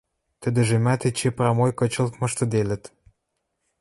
Тӹдӹжӹмӓт эче прамой кычылт мыштыделыт...